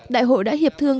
đại hội đã hiệp thương